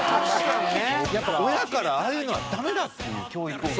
やっぱり親からああいうのはダメだっていう教育を。